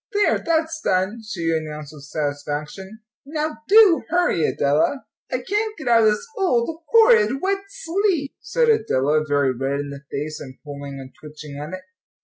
"There, that's done," she announced with satisfaction; "now do hurry, Adela." "I can't get out of this old, horrid, wet sleeve," said Adela, very red in the face, and pulling and twitching at it.